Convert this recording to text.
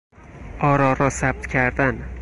آرا را ثبت کردن